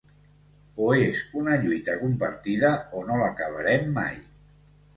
O és una lluita compartida, o no l’acabarem mai.